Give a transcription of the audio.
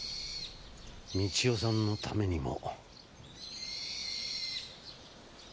美千代さんのためにも。